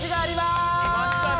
きましたね。